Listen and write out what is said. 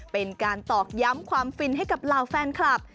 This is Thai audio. เป็นการตอกย้ำความฟินให้กับเหล่าแฟนคลับ